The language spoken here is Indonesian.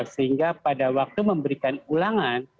sehingga pada waktu memberikan ulangan